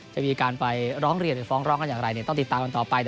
จะมีการไปร้องเรียนไปฟ้องร้องกันอย่างไรต้องติดตามกันต่อไป